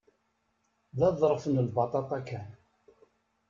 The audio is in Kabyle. D aḍref n lbaṭaṭa kan.